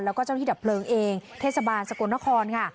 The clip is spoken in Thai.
แล้วก็เจ้าหน้าที่ดับเพลิงเองเทศบาลสกลนครค่ะ